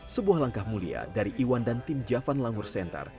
sebuah langkah mulia dari iwan dan tim javan langur center